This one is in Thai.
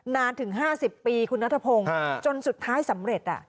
นานถึง๕๐ปีคุณนัทพงศ์จนสุดท้ายสำเร็จ